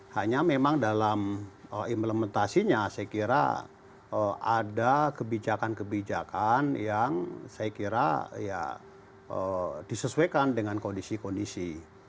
hanya memang dalam implementasinya saya kira ada kebijakan kebijakan yang saya kira ya disesuaikan dengan kondisi kondisi